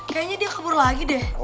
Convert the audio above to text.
kayaknya dia kabur lagi deh